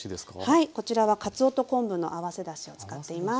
はいこちらはかつおと昆布の合わせだしを使っています。